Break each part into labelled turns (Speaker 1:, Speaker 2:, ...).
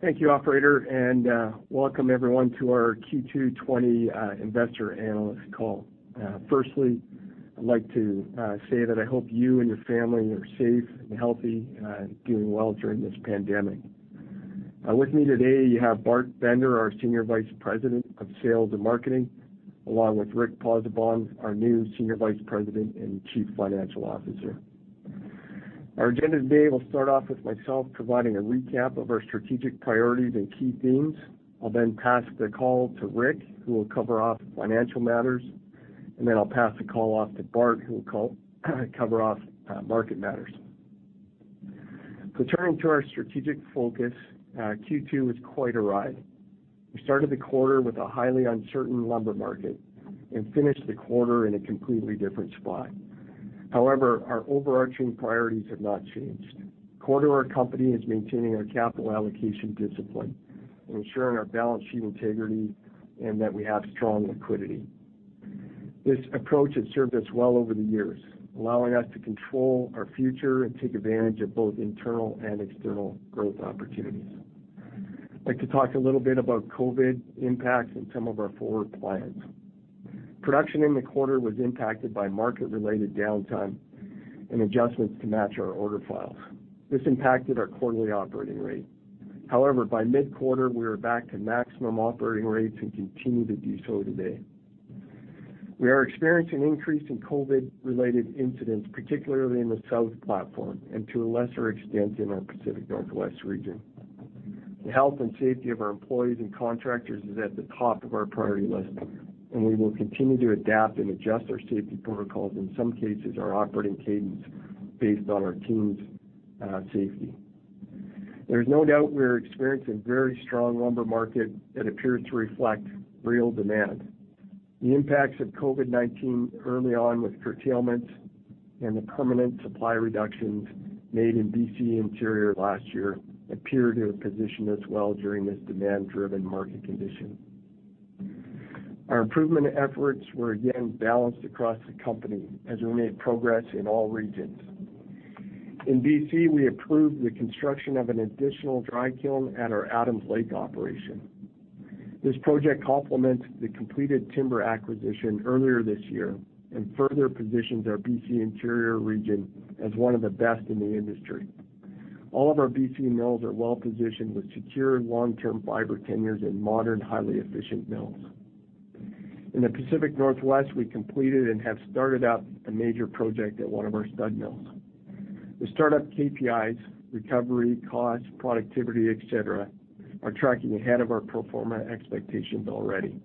Speaker 1: Thank you, operator, and welcome everyone to our Q2 2020 investor analyst call. Firstly, I'd like to say that I hope you and your family are safe and healthy and doing well during this pandemic. With me today, you have Bart Bender, our Senior Vice President of Sales and Marketing, along with Rick Pozzebon, our new Senior Vice President and Chief Financial Officer. Our agenda today will start off with myself providing a recap of our strategic priorities and key themes. I'll then pass the call to Rick, who will cover off financial matters, and then I'll pass the call off to Bart, who will cover off market matters. Turning to our strategic focus, Q2 was quite a ride. We started the quarter with a highly uncertain lumber market and finished the quarter in a completely different spot. However, our overarching priorities have not changed. Core to our company is maintaining our capital allocation discipline and ensuring our balance sheet integrity and that we have strong liquidity. This approach has served us well over the years, allowing us to control our future and take advantage of both internal and external growth opportunities. I'd like to talk a little bit about COVID impacts and some of our forward plans. Production in the quarter was impacted by market-related downtime and adjustments to match our order files. This impacted our quarterly operating rate. However, by mid-quarter, we were back to maximum operating rates and continue to do so today. We are experiencing an increase in COVID-related incidents, particularly in the South platform and to a lesser extent, in our Pacific Northwest region. The health and safety of our employees and contractors is at the top of our priority list, and we will continue to adapt and adjust our safety protocols, in some cases, our operating cadence, based on our team's safety. There's no doubt we're experiencing a very strong lumber market that appears to reflect real demand. The impacts of COVID-19 early on with curtailments and the permanent supply reductions made in BC Interior last year appear to have positioned us well during this demand-driven market condition. Our improvement efforts were again balanced across the company as we made progress in all regions. In BC, we approved the construction of an additional dry kiln at our Adams Lake operation. This project complements the completed timber acquisition earlier this year and further positions our BC Interior region as one of the best in the industry. All of our BC mills are well-positioned with secure long-term fiber tenures and modern, highly efficient mills. In the Pacific Northwest, we completed and have started up a major project at one of our stud mills. The startup KPIs, recovery costs, productivity, et cetera, are tracking ahead of our pro forma expectations already.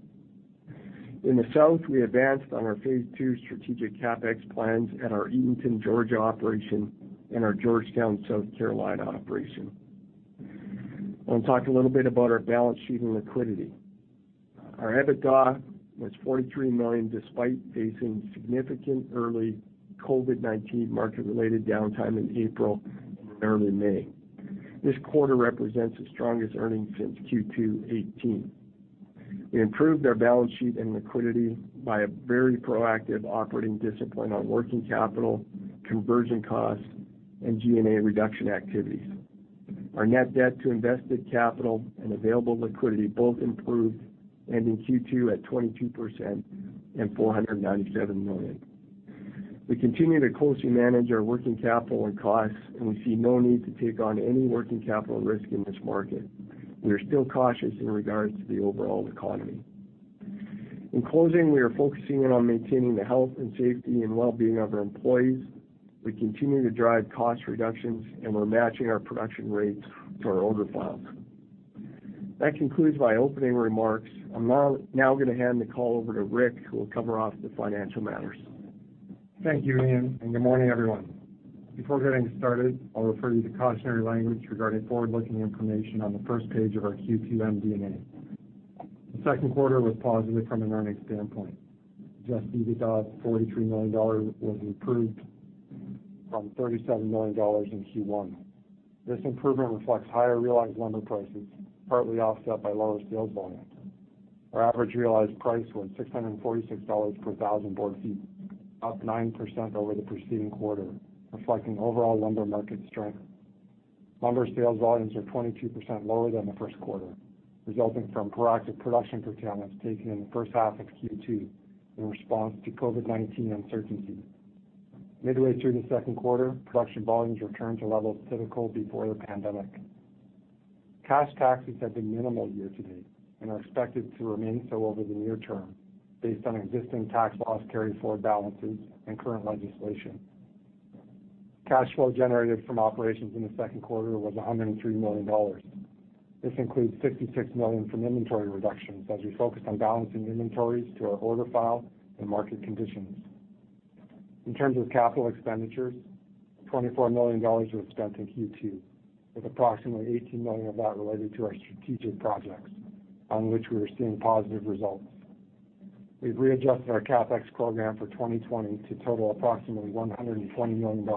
Speaker 1: In the South, we advanced on our phase two strategic CapEx plans at our Eatonton, Georgia operation and our Georgetown, South Carolina operation. I want to talk a little bit about our balance sheet and liquidity. Our EBITDA was 43 million, despite facing significant early COVID-19 market-related downtime in April and early May. This quarter represents the strongest earnings since Q2 2018. We improved our balance sheet and liquidity by a very proactive operating discipline on working capital, conversion costs, and G&A reduction activities. Our net debt to invested capital and available liquidity both improved, ending Q2 at 22% and 497 million. We continue to closely manage our working capital and costs, and we see no need to take on any working capital risk in this market. We are still cautious in regards to the overall economy. In closing, we are focusing in on maintaining the health and safety and wellbeing of our employees. We continue to drive cost reductions, and we're matching our production rates to our order files. That concludes my opening remarks. I'm now gonna hand the call over to Rick, who will cover off the financial matters.
Speaker 2: Thank you, Ian, and good morning, everyone. Before getting started, I'll refer you to cautionary language regarding forward-looking information on the first page of our Q2 MD&A. The second quarter was positive from an earnings standpoint. Adjusted EBITDA, $43 million was improved from $37 million in Q1. This improvement reflects higher realized lumber prices, partly offset by lower sales volumes. Our average realized price was $646 per 1,000 board feet, up 9% over the preceding quarter, reflecting overall lumber market strength. Lumber sales volumes are 22% lower than the first quarter, resulting from proactive production curtailments taken in the first half of Q2 in response to COVID-19 uncertainty. Midway through the second quarter, production volumes returned to levels typical before the pandemic. Cash taxes have been minimal year-to-date and are expected to remain so over the near term, based on existing tax loss carryforward balances and current legislation. Cash flow generated from operations in the second quarter was $103 million. This includes $66 million from inventory reductions, as we focused on balancing inventories to our order file and market conditions. In terms of capital expenditures, $24 million was spent in Q2, with approximately $18 million of that related to our strategic projects, on which we are seeing positive results. We've readjusted our CapEx program for 2020 to total approximately $120 million,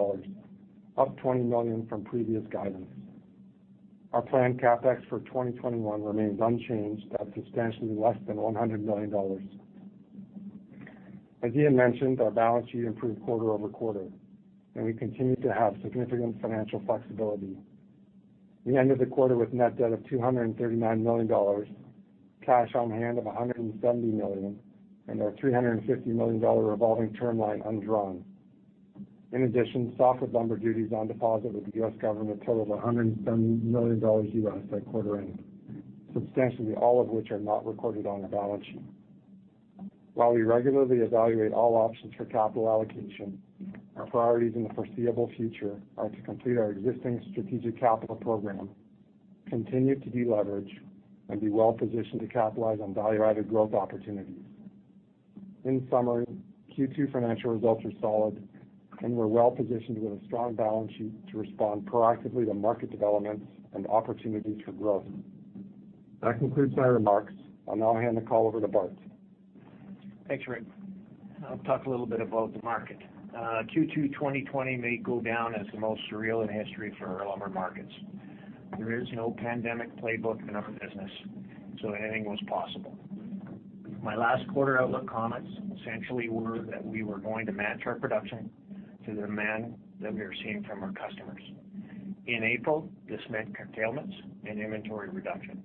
Speaker 2: up $20 million from previous guidance. Our planned CapEx for 2021 remains unchanged at substantially less than $100 million. As Ian mentioned, our balance sheet improved quarter-over-quarter, and we continue to have significant financial flexibility. We ended the quarter with net debt of $239 million, cash on hand of $170 million, and our $350 million dollar revolving term line undrawn. In addition, softwood lumber duties on deposit with the U.S. government totaled $170 million at quarter end, substantially all of which are not recorded on our balance sheet. While we regularly evaluate all options for capital allocation, our priorities in the foreseeable future are to complete our existing strategic capital program, continue to deleverage, and be well-positioned to capitalize on value-added growth opportunities. In summary, Q2 financial results are solid, and we're well positioned with a strong balance sheet to respond proactively to market developments and opportunities for growth. That concludes my remarks. I'll now hand the call over to Bart.
Speaker 3: Thanks, Rick. I'll talk a little bit about the market. Q2 2020 may go down as the most surreal in history for our lumber markets. There is no pandemic playbook in our business, so anything was possible. My last quarter outlook comments essentially were that we were going to match our production to the demand that we were seeing from our customers. In April, this meant curtailments and inventory reduction.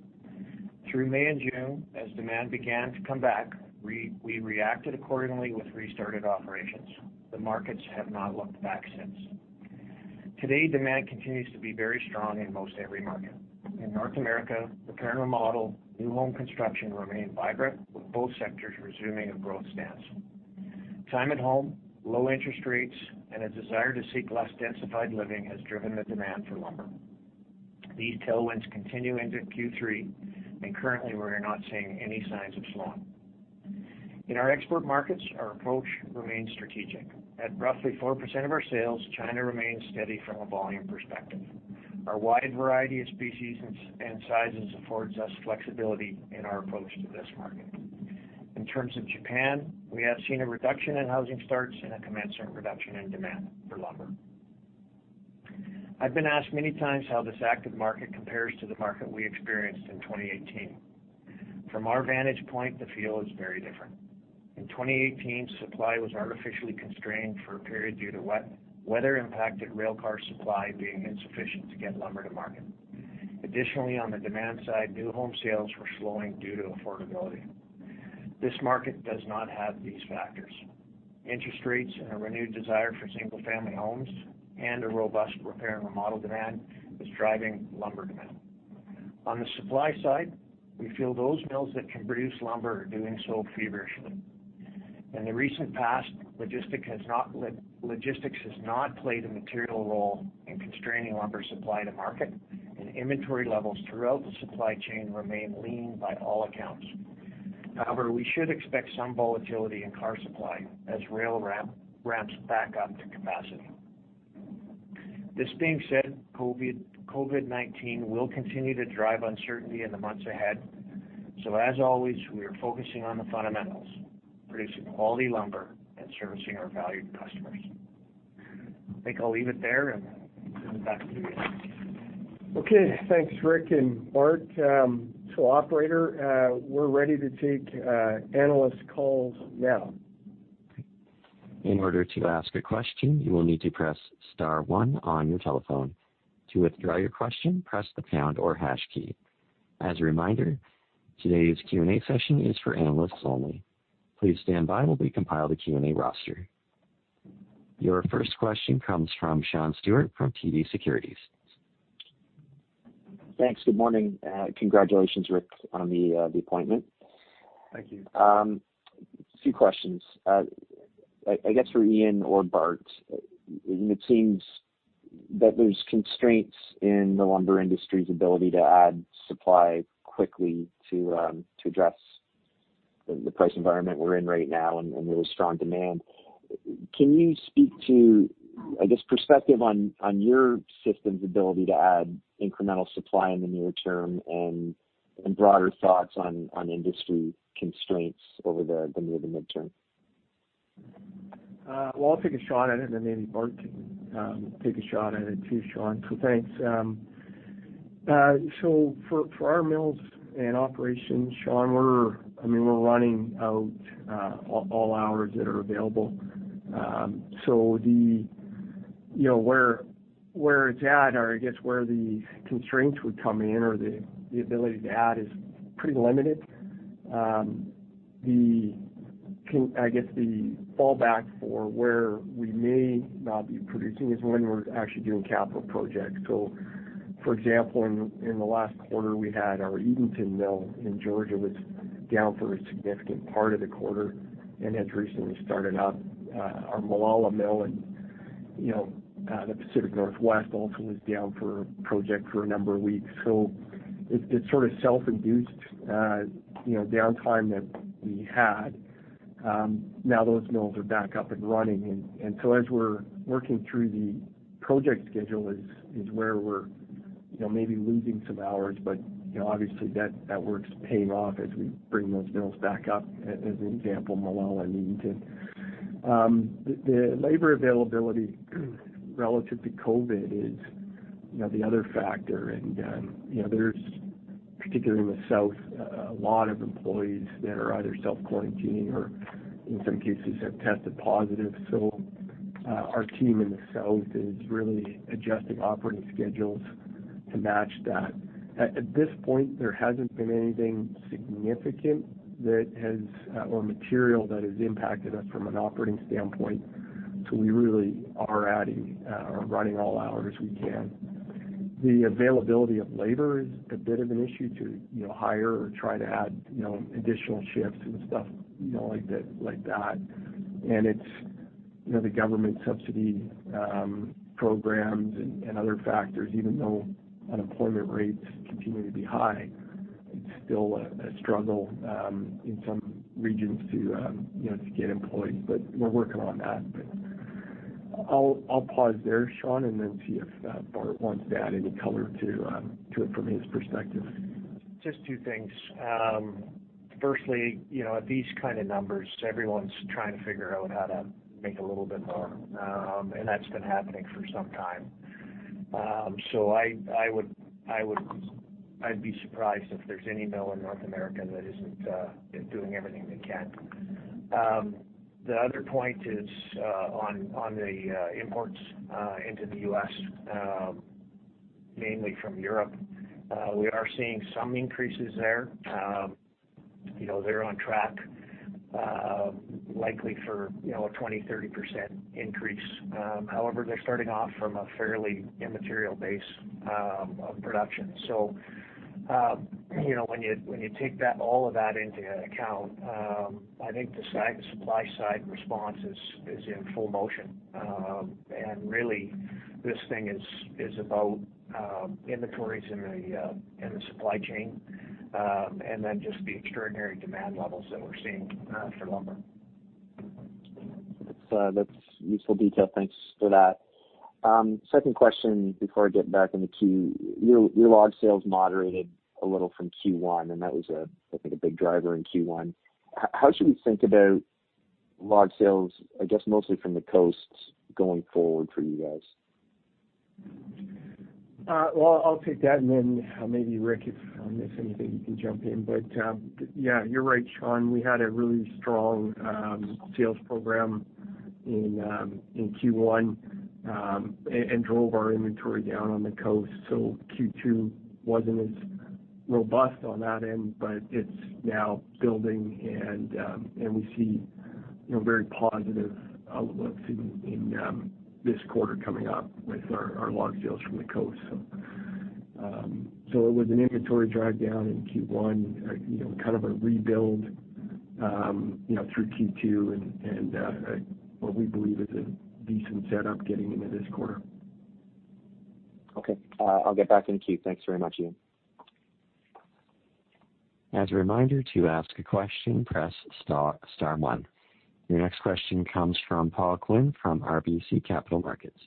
Speaker 3: Through May and June, as demand began to come back, we reacted accordingly with restarted operations. The markets have not looked back since. Today, demand continues to be very strong in most every market. In North America, repair and remodel, new home construction remain vibrant, with both sectors resuming a growth stance. Time at home, low interest rates, and a desire to seek less densified living has driven the demand for lumber. These tailwinds continue into Q3, and currently, we are not seeing any signs of slowing. In our export markets, our approach remains strategic. At roughly 4% of our sales, China remains steady from a volume perspective. Our wide variety of species and sizes affords us flexibility in our approach to this market. In terms of Japan, we have seen a reduction in housing starts and a commensurate reduction in demand for lumber. I've been asked many times how this active market compares to the market we experienced in 2018. From our vantage point, the feel is very different. In 2018, supply was artificially constrained for a period due to weather-impacted rail car supply being insufficient to get lumber to market. Additionally, on the demand side, new home sales were slowing due to affordability. This market does not have these factors. Interest rates and a renewed desire for single-family homes and a robust repair and remodel demand is driving lumber demand. On the supply side, we feel those mills that can produce lumber are doing so feverishly. In the recent past, logistics has not played a material role in constraining lumber supply to market, and inventory levels throughout the supply chain remain lean by all accounts. However, we should expect some volatility in car supply as rail ramps back up to capacity. This being said, COVID, COVID-19 will continue to drive uncertainty in the months ahead. So as always, we are focusing on the fundamentals, producing quality lumber and servicing our valued customers. I think I'll leave it there and turn it back to you, Ian.
Speaker 1: Okay. Thanks, Rick and Bart. Operator, we're ready to take analyst calls now.
Speaker 4: In order to ask a question, you will need to press star one on your telephone. To withdraw your question, press the pound or hash key. As a reminder, today's Q&A session is for analysts only. Please stand by while we compile the Q&A roster. Your first question comes from Sean Steuart from TD Securities.
Speaker 5: Thanks. Good morning, congratulations, Rick, on the appointment.
Speaker 2: Thank you.
Speaker 5: A few questions. I guess for Ian or Bart, it seems that there's constraints in the lumber industry's ability to add supply quickly to address the price environment we're in right now and really strong demand. Can you speak to, I guess, perspective on your system's ability to add incremental supply in the near term, and broader thoughts on industry constraints over the near to midterm?
Speaker 1: Well, I'll take a shot at it, and then maybe Bart can take a shot at it too, Sean. So thanks. So for our mills and operations, Sean, we're... I mean, we're running out all hours that are available. So you know, where it's at, or I guess, where the constraints would come in or the ability to add, is pretty limited. The fallback for where we may not be producing is when we're actually doing capital projects. So for example, in the last quarter, we had our Eatonton mill in Georgia was down for a significant part of the quarter and has recently started up. Our Molalla mill in, you know, the Pacific Northwest also was down for a project for a number of weeks. So it's sort of self-induced, you know, downtime that we had. Now those mills are back up and running, and so as we're working through the project schedule is where we're, you know, maybe losing some hours, but, you know, obviously, that work's paying off as we bring those mills back up, as an example, Molalla and Eatonton. The labor availability relative to COVID is, you know, the other factor, and you know, there's particularly in the South a lot of employees that are either self-quarantining or in some cases, have tested positive. So, our team in the South is really adjusting operating schedules to match that. At this point, there hasn't been anything significant that has or material that has impacted us from an operating standpoint. So we really are adding, or running all out as we can. The availability of labor is a bit of an issue to, you know, hire or try to add, you know, additional shifts and stuff, you know, like that, like that. And it's, you know, the government subsidy programs and other factors, even though unemployment rates continue to be high, it's still a struggle in some regions to, you know, to get employees, but we're working on that. But I'll pause there, Sean, and then see if Bart wants to add any color to it from his perspective.
Speaker 3: Just two things. Firstly, you know, at these kind of numbers, everyone's trying to figure out how to make a little bit more, and that's been happening for some time. So I would be surprised if there's any mill in North America that isn't doing everything they can. The other point is on the imports into the US, mainly from Europe. We are seeing some increases there. You know, they're on track, likely for, you know, a 20-30% increase. However, they're starting off from a fairly immaterial base of production. So, you know, when you take that all of that into account, I think the supply side response is in full motion. And really, this thing is about inventories in the supply chain, and then just the extraordinary demand levels that we're seeing for lumber.
Speaker 5: That's, that's useful detail. Thanks for that. Second question, before I get back into queue, your log sales moderated a little from Q1, and that was a big driver in Q1, I think. How should we think about log sales, I guess, mostly from the coasts going forward for you guys?
Speaker 1: Well, I'll take that, and then maybe Rick, if I miss anything, you can jump in. But yeah, you're right, Sean, we had a really strong sales program in Q1, and drove our inventory down on the coast. So Q2 wasn't as robust on that end, but it's now building, and we see, you know, very positive outlooks in this quarter coming up with our log sales from the coast. So it was an inventory drive down in Q1, you know, kind of a rebuild through Q2, and what we believe is a decent setup getting into this quarter.
Speaker 5: Okay. I'll get back in the queue. Thanks very much, Ian.
Speaker 4: As a reminder, to ask a question, press star-star one. Your next question comes from Paul Quinn from RBC Capital Markets.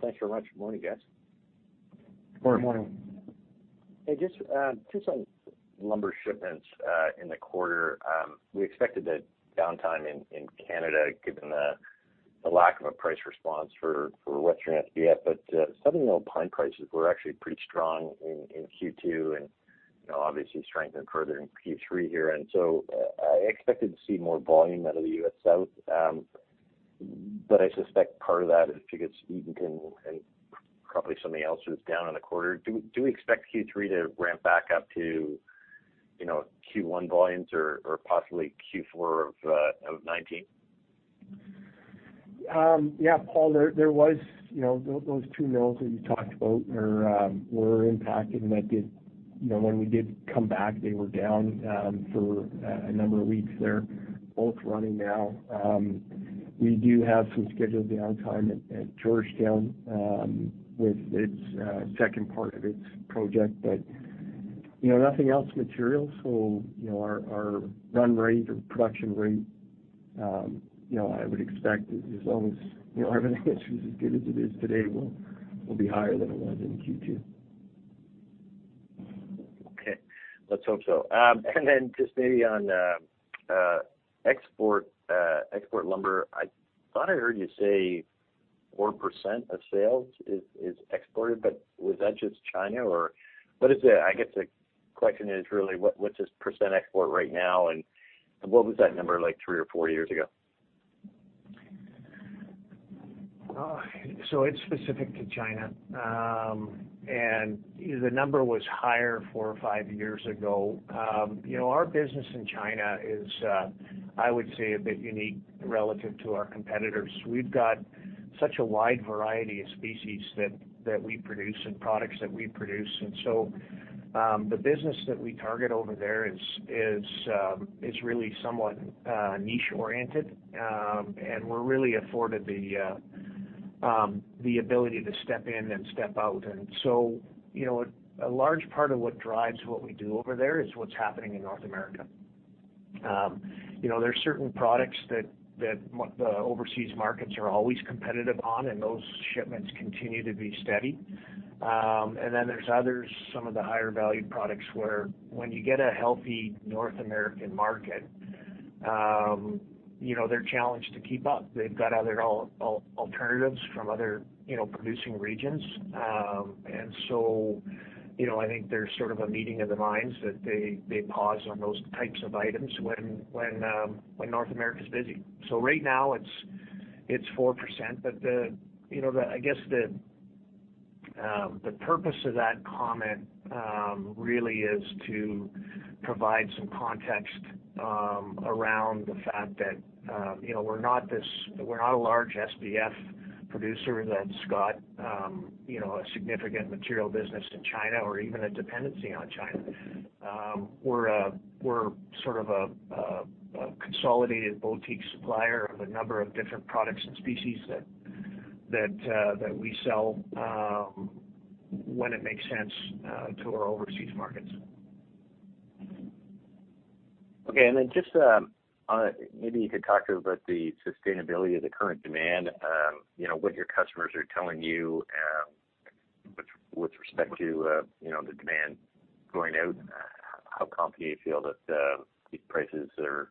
Speaker 6: Thanks very much. Good morning, guys.
Speaker 1: Good morning.
Speaker 3: Morning.
Speaker 6: Hey, just on lumber shipments in the quarter, we expected a downtime in Canada, given the lack of a price response for Western SPF. But, Southern Pine prices were actually pretty strong in Q2 and, you know, obviously strengthened further in Q3 here. And so, I expected to see more volume out of the US South, but I suspect part of that is because Eatonton and probably somebody else was down on the quarter. Do we expect Q3 to ramp back up to, you know, Q1 volumes or possibly Q4 of 2019?
Speaker 1: Yeah, Paul, there was, you know, those two mills that you talked about were impacted, and that did... You know, when we did come back, they were down for a number of weeks. They're both running now. We do have some scheduled downtime at Georgetown with its second part of its project, but, you know, nothing else material. So, you know, our run rate or production rate, you know, I would expect as long as, you know, our business is as good as it is today, will be higher than it was in Q2.
Speaker 6: Okay, let's hope so. And then just maybe on export lumber, I thought I heard you say 4% of sales is exported, but was that just China, or what is the-- I guess, the question is really, what, what's this percent export right now, and what was that number like three or four years ago?
Speaker 3: So it's specific to China. And the number was higher four or five years ago. You know, our business in China is, I would say, a bit unique relative to our competitors. We've got such a wide variety of species that we produce and products that we produce, and so the business that we target over there is really somewhat niche-oriented. And we're really afforded the ability to step in and step out. And so, you know, a large part of what drives what we do over there is what's happening in North America. You know, there are certain products that the overseas markets are always competitive on, and those shipments continue to be steady. And then there's others, some of the higher value products, where when you get a healthy North American market, you know, they're challenged to keep up. They've got other alternatives from other, you know, producing regions. And so, you know, I think there's sort of a meeting of the minds that they pause on those types of items when North America's busy. So right now, it's 4%, but, you know, the—I guess, the purpose of that comment really is to provide some context around the fact that, you know, we're not this—we're not a large SPF producer that's got, you know, a significant material business in China or even a dependency on China. We're sort of a consolidated boutique supplier of a number of different products and species that we sell when it makes sense to our overseas markets.
Speaker 6: Okay, and then just, maybe you could talk about the sustainability of the current demand, you know, what your customers are telling you, with respect to, you know, the demand going out, how confident you feel that, these prices are,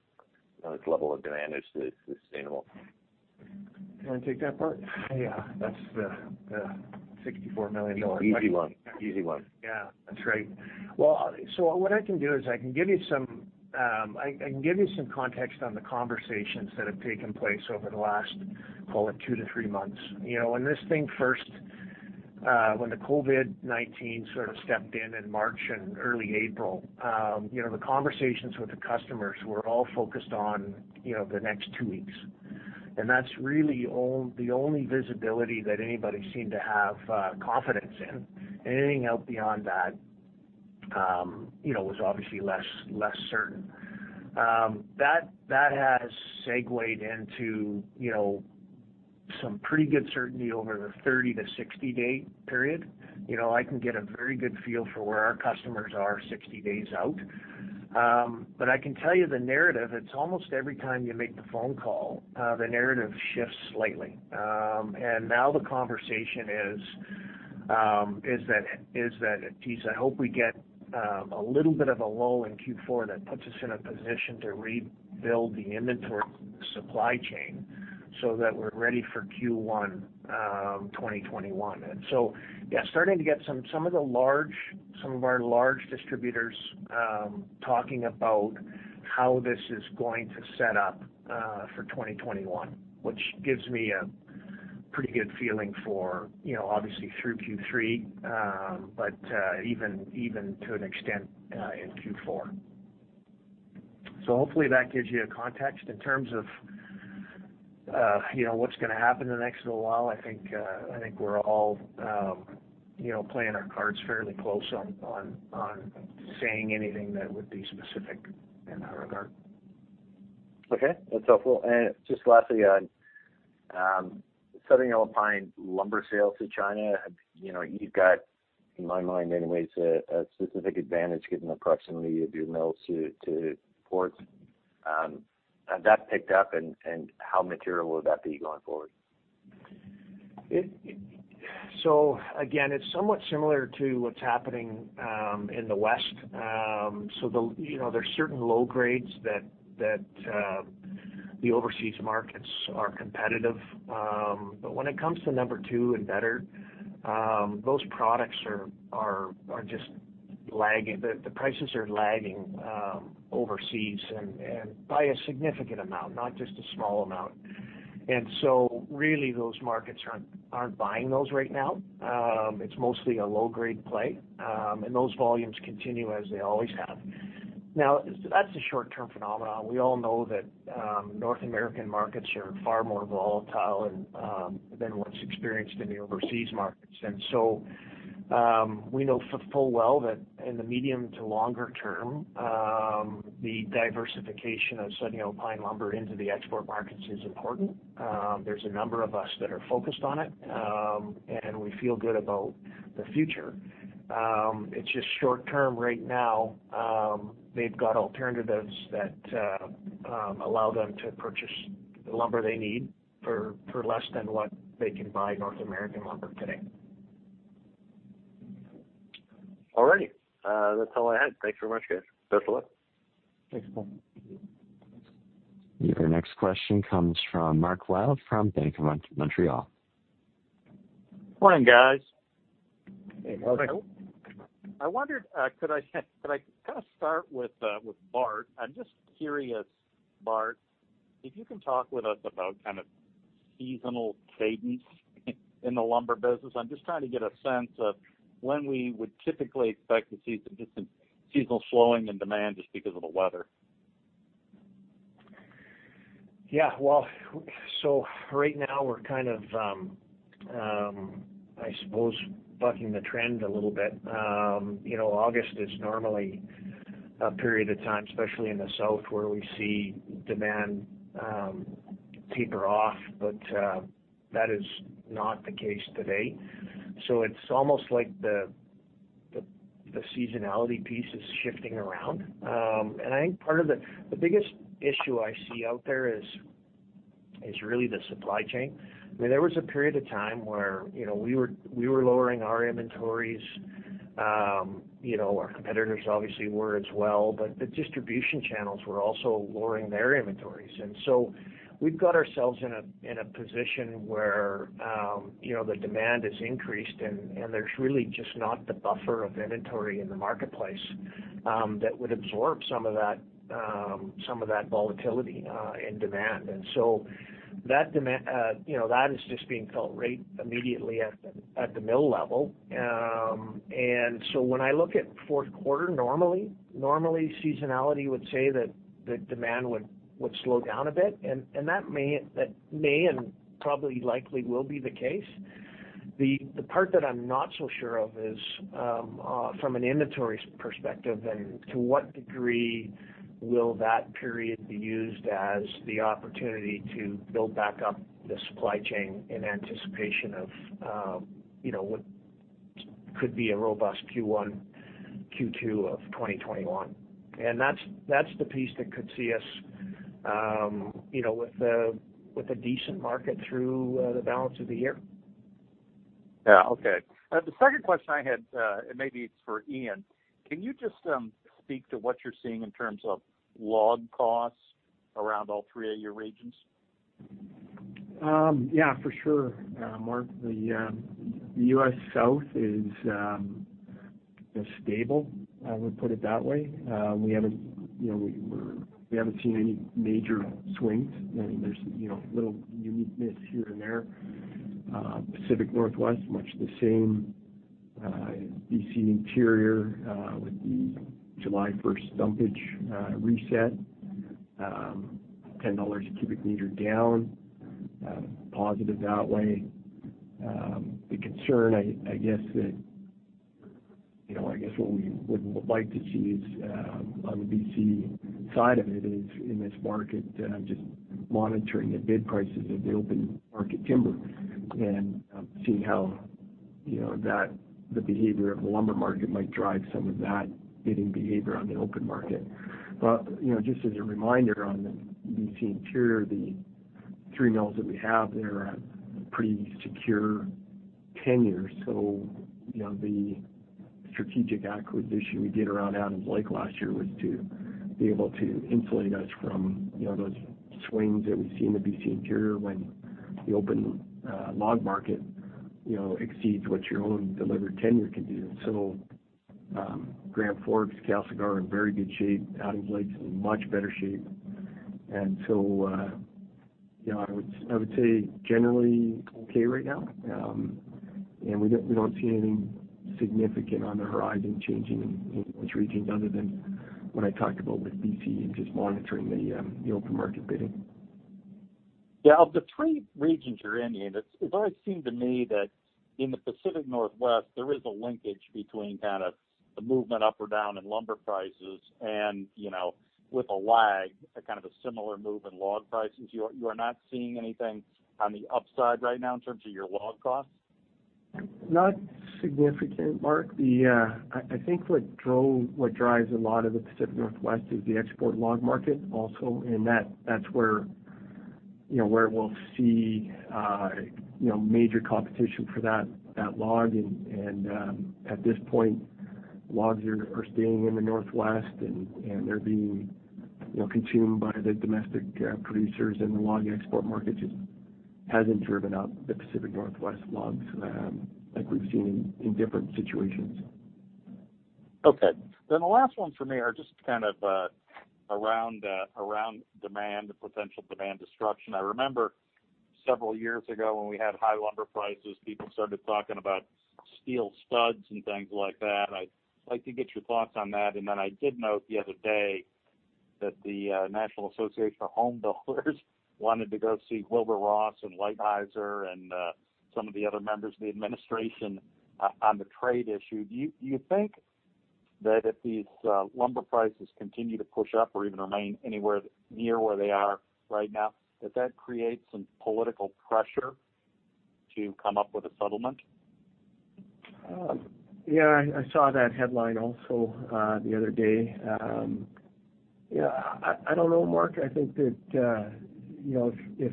Speaker 6: you know, this level of demand is sustainable?
Speaker 1: You wanna take that, Bart?
Speaker 3: Yeah, that's the, the $64 million question.
Speaker 6: Easy one. Easy one.
Speaker 3: Yeah, that's right. Well, so what I can do is I can give you some context on the conversations that have taken place over the last, call it, two to three months. You know, when this thing first, when the COVID-19 sort of stepped in, in March and early April, you know, the conversations with the customers were all focused on, you know, the next two weeks. And that's really all, the only visibility that anybody seemed to have, confidence in. Anything else beyond that, you know, was obviously less certain. That has segued into, you know, some pretty good certainty over the 30-60-day period. You know, I can get a very good feel for where our customers are 60 days out. But I can tell you the narrative, it's almost every time you make the phone call, the narrative shifts slightly. And now the conversation is, is that, "Geez, I hope we get a little bit of a lull in Q4 that puts us in a position to rebuild the inventory supply chain, so that we're ready for Q1, 2021." And so, yeah, starting to get some, some of the large- some of our large distributors, talking about how this is going to set up for 2021, which gives me a pretty good feeling for, you know, obviously through Q3, but even, even to an extent, in Q4. So hopefully, that gives you a context in terms of, you know, what's gonna happen in the next little while. I think, I think we're all, you know, playing our cards fairly close on, on, on saying anything that would be specific in that regard.
Speaker 6: Okay, that's helpful. And just lastly, on Southern Pine lumber sales to China, you know, you've got, in my mind anyways, a specific advantage given the proximity of your mills to ports. Has that picked up, and how material would that be going forward?
Speaker 3: So again, it's somewhat similar to what's happening in the West. So the, you know, there are certain low grades that the overseas markets are competitive. But when it comes to number two and better, those products are just lagging. The prices are lagging overseas and by a significant amount, not just a small amount. And so really, those markets aren't buying those right now. It's mostly a low-grade play, and those volumes continue as they always have. Now, that's a short-term phenomenon. We all know that North American markets are far more volatile than what's experienced in the overseas markets. And so we know full well that in the medium to longer term, the diversification of Southern Pine lumber into the export markets is important. There's a number of us that are focused on it, and we feel good about the future. It's just short term right now, they've got alternatives that allow them to purchase the lumber they need for less than what they can buy North American lumber today.
Speaker 6: All righty. That's all I had. Thanks very much, guys.
Speaker 3: Best of luck. Thanks, Paul.
Speaker 4: Your next question comes from Mark Wilde from Bank of Montreal.
Speaker 7: Morning, guys.
Speaker 3: Hey, Mark. Hi.
Speaker 7: I wondered, could I kind of start with, with Bart? I'm just curious, Bart, if you can talk with us about kind of seasonal cadence in the lumber business. I'm just trying to get a sense of when we would typically expect to see some different seasonal slowing in demand just because of the weather.
Speaker 3: Yeah. Well, so right now, we're kind of, I suppose, bucking the trend a little bit. You know, August is normally a period of time, especially in the south, where we see demand taper off, but that is not the case today. So it's almost like the seasonality piece is shifting around. And I think part of the biggest issue I see out there is really the supply chain. I mean, there was a period of time where, you know, we were lowering our inventories, you know, our competitors obviously were as well, but the distribution channels were also lowering their inventories. So we've got ourselves in a position where, you know, the demand has increased, and there's really just not the buffer of inventory in the marketplace that would absorb some of that volatility in demand. So that demand, you know, that is just being felt right immediately at the mill level. So when I look at fourth quarter, normally seasonality would say that the demand would slow down a bit, and that may and probably likely will be the case. The part that I'm not so sure of is from an inventory perspective, and to what degree will that period be used as the opportunity to build back up the supply chain in anticipation of, you know, what could be a robust Q1, Q2 of 2021? And that's the piece that could see us, you know, with a decent market through the balance of the year.
Speaker 7: Yeah. Okay. The second question I had, and maybe it's for Ian, can you just speak to what you're seeing in terms of log costs around all three of your regions?
Speaker 1: Yeah, for sure, Mark. The US South is stable. I would put it that way. We haven't, you know, we haven't seen any major swings. I mean, there's, you know, little uniqueness here and there. Pacific Northwest, much the same. BC Interior, with the July 1st stumpage reset, 10 dollars a cubic meter down, positive that way. The concern, I guess, that, you know, I guess what we would like to see is, on the BC side of it is, in this market, just monitoring the bid prices of the open market timber and, seeing how, you know, that the behavior of the lumber market might drive some of that bidding behavior on the open market. But, you know, just as a reminder on the BC Interior, the three mills that we have there are pretty secure tenure. So, you know, the strategic acquisition we did around Adams Lake last year was to be able to insulate us from, you know, those swings that we see in the BC Interior when the open log market, you know, exceeds what your own delivered tenure can do. So, Grand Forks, Castlegar are in very good shape. Adams Lake is in much better shape. And so, you know, I would say generally okay right now. And we don't see anything significant on the horizon changing in those regions other than what I talked about with BC and just monitoring the open market bidding.
Speaker 7: Yeah, of the three regions you're in, Ian, it's always seemed to me that in the Pacific Northwest, there is a linkage between kind of the movement up or down in lumber prices and, you know, with a lag, a kind of a similar move in log prices. You are not seeing anything on the upside right now in terms of your log costs?
Speaker 1: Not significant, Mark. The... I think what drove, what drives a lot of the Pacific Northwest is the export log market also, and that's where, you know, where we'll see, you know, major competition for that, that log. And at this point, logs are staying in the Northwest, and they're being, you know, consumed by the domestic producers, and the log export market just hasn't driven up the Pacific Northwest logs, like we've seen in different situations.
Speaker 7: Okay. Then the last ones for me are just kind of around demand and potential demand destruction. I remember several years ago, when we had high lumber prices, people started talking about steel studs and things like that. I'd like to get your thoughts on that. And then I did note the other day that the National Association of Home Builders wanted to go see Wilbur Ross and Lighthizer and some of the other members of the administration on the trade issue. Do you think that if these lumber prices continue to push up or even remain anywhere near where they are right now, that that creates some political pressure to come up with a settlement?
Speaker 1: Yeah, I saw that headline also, the other day. Yeah, I don't know, Mark. I think that, you know, if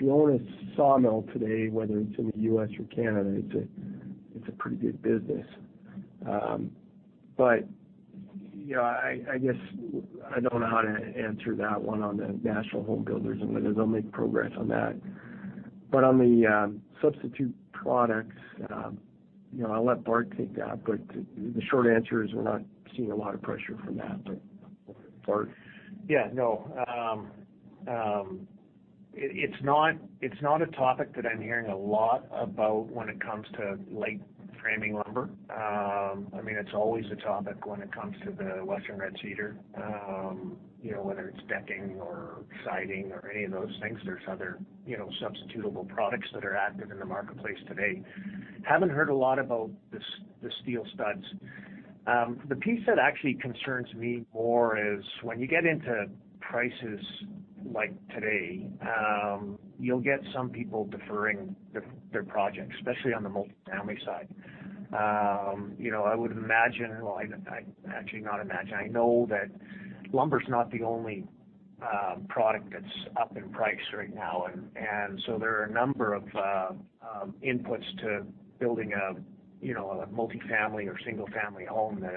Speaker 1: you own a sawmill today, whether it's in the U.S. or Canada, it's a pretty good business. But, you know, I guess I don't know how to answer that one on the national home builders and whether they'll make progress on that. But on the substitute products, you know, I'll let Bart take that, but the short answer is we're not seeing a lot of pressure from that. But, Bart?
Speaker 3: Yeah. No, it's not a topic that I'm hearing a lot about when it comes to light framing lumber. I mean, it's always a topic when it comes to the Western Red Cedar, you know, whether it's decking or siding or any of those things. There's other, you know, substitutable products that are active in the marketplace today. Haven't heard a lot about the Steel Studs. The piece that actually concerns me more is when you get into prices like today, you'll get some people deferring their projects, especially on the multifamily side. You know, I would imagine. Well, I actually not imagine, I know that lumber's not the only product that's up in price right now. So there are a number of inputs to building a, you know, a multifamily or single-family home that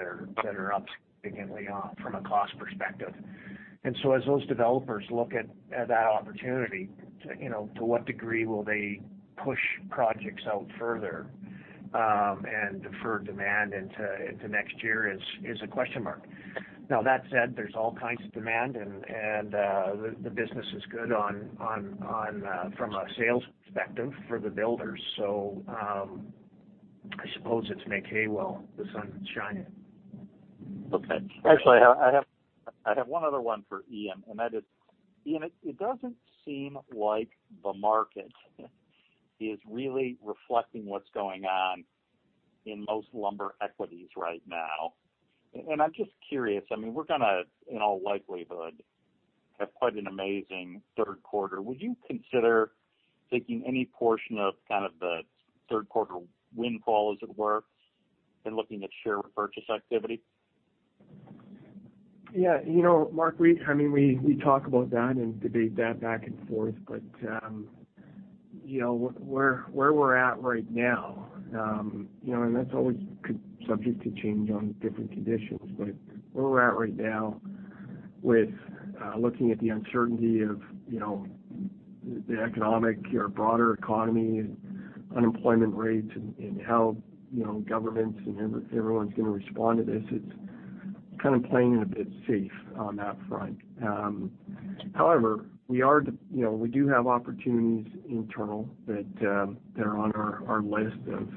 Speaker 3: are up significantly from a cost perspective. And so as those developers look at that opportunity, to, you know, to what degree will they push projects out further and defer demand into next year is a question mark. Now, that said, there's all kinds of demand, and the business is good from a sales perspective for the builders. So I suppose it's make hay while the sun is shining.
Speaker 7: Okay. Actually, I have one other one for Ian, and that is, Ian, it doesn't seem like the market is really reflecting what's going on in most lumber equities right now. And I'm just curious, I mean, we're gonna, in all likelihood, have quite an amazing third quarter. Would you consider taking any portion of kind of the third quarter windfall, as it were, in looking at share repurchase activity?
Speaker 1: Yeah, you know, Mark, we - I mean, we talk about that and debate that back and forth. But you know, where we're at right now, and that's always subject to change on different conditions. But where we're at right now with looking at the uncertainty of, you know, the economic or broader economy, unemployment rates, and how, you know, governments and everyone's gonna respond to this, it's kind of playing it a bit safe on that front. However, we are, you know, we do have opportunities internal that that are on our list of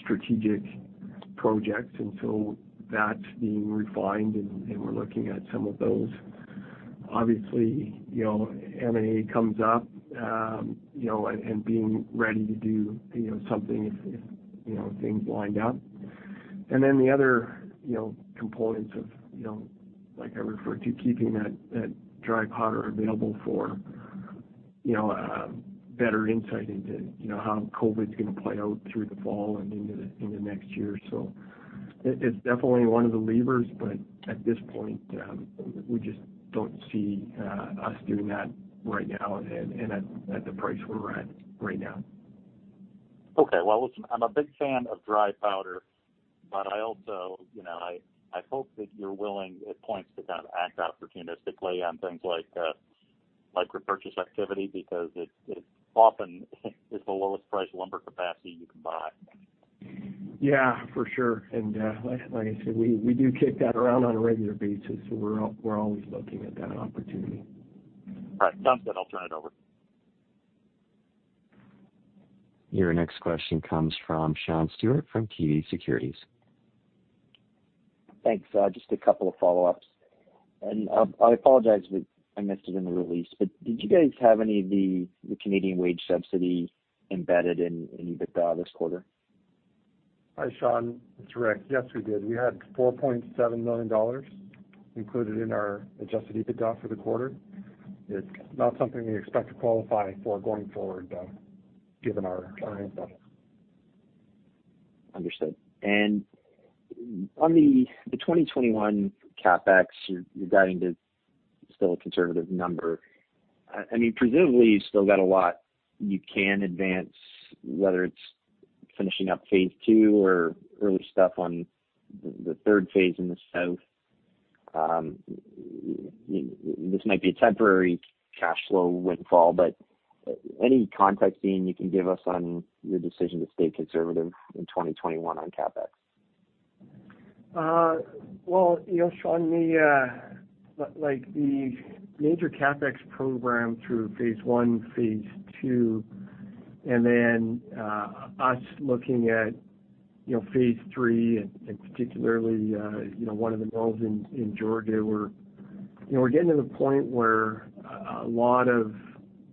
Speaker 1: strategic projects, and so that's being refined, and we're looking at some of those. Obviously, you know, M&A comes up, you know, and being ready to do, you know, something if, you know, things wind up. And then the other, you know, components of, you know, like I referred to, keeping that dry powder available for, you know, better insight into, you know, how COVID's gonna play out through the fall and into next year. So it's definitely one of the levers, but at this point, we just don't see us doing that right now and at the price we're at right now.
Speaker 7: Okay. Well, listen, I'm a big fan of dry powder, but I also, you know, I hope that you're willing, at points, to kind of act opportunistically on things like, like repurchase activity, because it's, it often is the lowest priced lumber capacity you can buy.
Speaker 1: Yeah, for sure. And, like, like I said, we, we do kick that around on a regular basis, so we're always looking at that opportunity.
Speaker 7: All right. Sounds good. I'll turn it over.
Speaker 4: Your next question comes from Sean Steuart from TD Securities.
Speaker 5: Thanks. Just a couple of follow-ups. And, I apologize if I missed it in the release, but did you guys have any of the Canadian wage subsidy embedded in EBITDA this quarter?
Speaker 2: Hi, Sean. It's Rick. Yes, we did. We had $4.7 million included in our adjusted EBITDA for the quarter. It's not something we expect to qualify for going forward, though, given our income.
Speaker 5: Understood. And on the 2021 CapEx, you're guiding to still a conservative number. I mean, presumably, you've still got a lot you can advance, whether it's finishing up phase two or early stuff on the third phase in the South. This might be a temporary cash flow windfall, but any context, Ian, you can give us on your decision to stay conservative in 2021 on CapEx?
Speaker 1: Well, you know, Sean, the, like, the major CapEx program through phase one, phase two, and then us looking at, you know, phase three, and particularly, you know, one of the mills in Georgia, where, you know, we're getting to the point where a lot of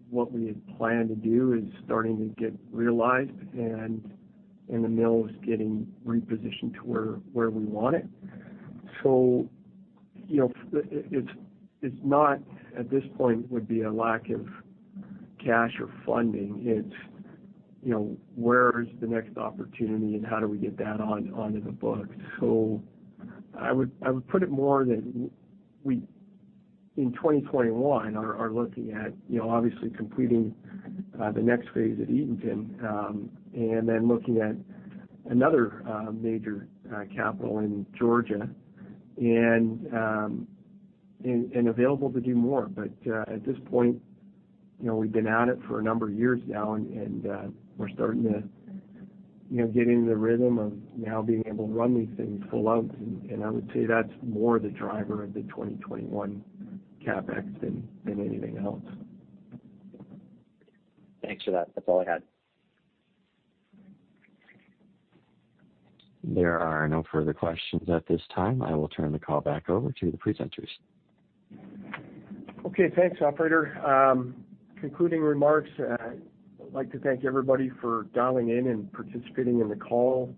Speaker 1: what we had planned to do is starting to get realized, and the mill is getting repositioned to where we want it. So, you know, it, it's not, at this point, would be a lack of cash or funding. It's, you know, where is the next opportunity and how do we get that on, onto the books? So I would, I would put it more that we in 2021 are looking at, you know, obviously completing the next phase at Eatonton, and then looking at another major capital in Georgia, and available to do more. But at this point, you know, we've been at it for a number of years now, and we're starting to, you know, get into the rhythm of now being able to run these things full out. And I would say that's more the driver of the 2021 CapEx than anything else.
Speaker 5: Thanks for that. That's all I had.
Speaker 4: There are no further questions at this time. I will turn the call back over to the presenters.
Speaker 1: Okay, thanks, operator. Concluding remarks, I'd like to thank everybody for dialing in and participating in the call,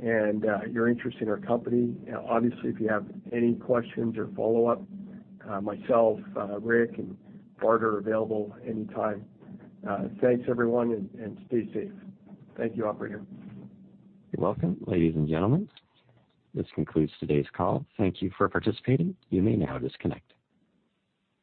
Speaker 1: and your interest in our company. Obviously, if you have any questions or follow-up, myself, Rick and Bart are available anytime. Thanks, everyone, and stay safe. Thank you, operator.
Speaker 4: You're welcome. Ladies and gentlemen, this concludes today's call. Thank you for participating. You may now disconnect.